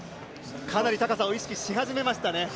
かなり高さを意識し始めましたね。